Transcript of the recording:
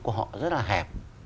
của họ rất là hẹp